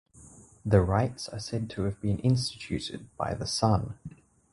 The rites are said to have been instituted by the Sun.